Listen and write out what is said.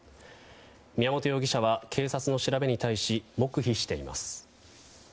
宮本容疑者は警察の調べに対し黙秘しています。